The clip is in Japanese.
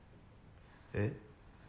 えっ？